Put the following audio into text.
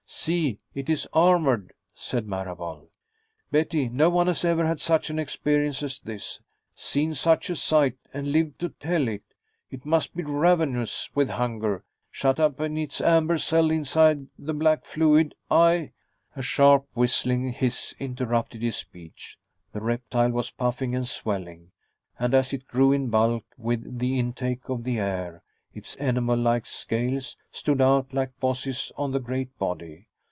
"See, it is armored," said Marable. "Betty, no one has ever had such an experience as this, seen such a sight, and lived to tell of it. It must be ravenous with hunger, shut up in its amber cell inside the black fluid. I " A sharp, whistling hiss interrupted his speech. The reptile was puffing and swelling, and as it grew in bulk with the intake of the air, its enamel like scales stood out like bosses on the great body.